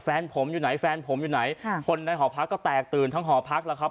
แฟนผมอยู่ไหนแฟนผมอยู่ไหนค่ะคนในหอพักก็แตกตื่นทั้งหอพักแล้วครับ